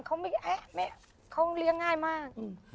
เขาไม่แม่เขาเลี้ยง่ายมาก